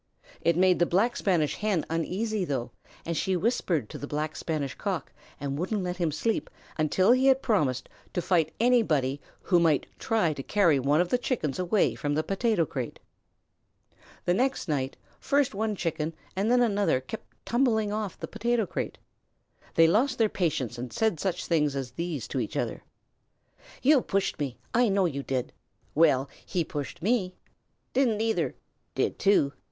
It made the Black Spanish Hen uneasy though, and she whispered to the Black Spanish Cock and wouldn't let him sleep until he had promised to fight anybody who might try to carry one of the Chickens away from the potato crate. The next night first one Chicken and then another kept tumbling off the potato crate. They lost their patience and said such things as these to each other: "You pushed me! You know you did!" "Well, he pushed me!" "Didn't either!" "Did too!"